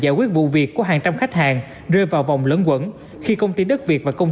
giải quyết vụ việc của hàng trăm khách hàng rơi vào vòng lẫn quẩn khi công ty đất việt và công